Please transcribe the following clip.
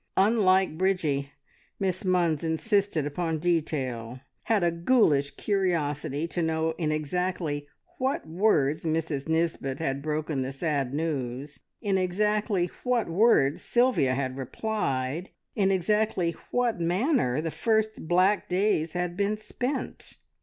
Unlike Bridgie, Miss Munns insisted upon detail had a ghoulish curiosity to know in exactly what words Mrs Nisbet had broken the sad news, in exactly what words Sylvia had replied, in exactly what manner the first black days had been spent.